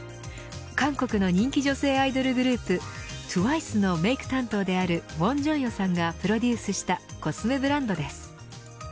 韓国の人気女性アイドルグループＴＷＩＣＥのメーク担当であるウォンジョンヨさんがプロデュースしたコスメブランドです。